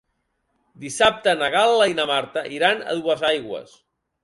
Dissabte na Gal·la i na Marta iran a Duesaigües.